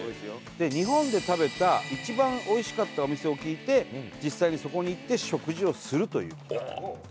日本で食べた一番美味しかったお店を聞いて実際にそこに行って食事をするという。